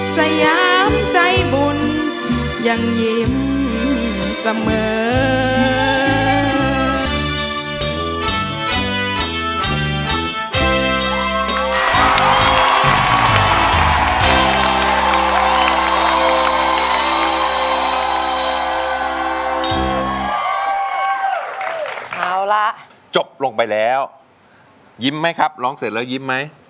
สยามใจบุญยังยิ้มเสมอ